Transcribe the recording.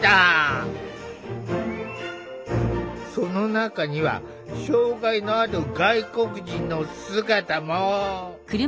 その中には障害のある外国人の姿も。